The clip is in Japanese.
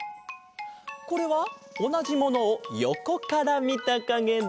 これはおなじものをよこからみたかげだ。